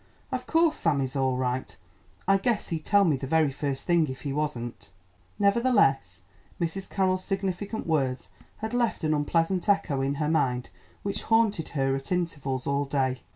Of course Sam is all right. I guess he'd tell me the very first thing if he wasn't." Nevertheless, Mrs. Carroll's significant words had left an unpleasant echo in her mind which haunted her at intervals all day.